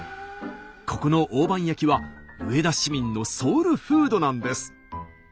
ここの大判焼きは上田市民のソウルフードなんです。